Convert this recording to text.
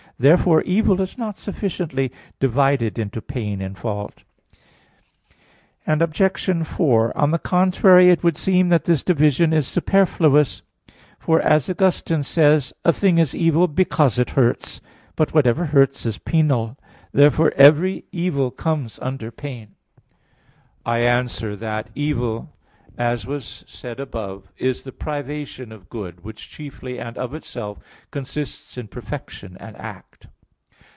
Therefore, evil is not sufficiently divided into pain and fault. Obj. 4: On the contrary, It would seem that this division is superfluous: for, as Augustine says (Enchiridion 12), a thing is evil "because it hurts." But whatever hurts is penal. Therefore every evil comes under pain. I answer that, Evil, as was said above (A. 3), is the privation of good, which chiefly and of itself consists in perfection and act.